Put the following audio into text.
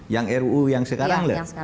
yang ruu yang sekarang